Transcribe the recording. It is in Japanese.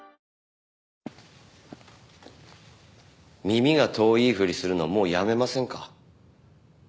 耳が遠いふりするのもうやめませんか？